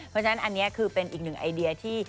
เพราะฉะนั้นอันนี้คือเป็นอีกหนึ่งไอเดียที่